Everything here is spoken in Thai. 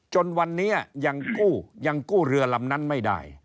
จนวันนี้ยังกู้ยังกู้เรือลำนั้นไม่ได้